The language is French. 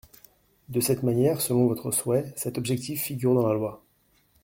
De cette manière, selon votre souhait, cet objectif figure dans la loi.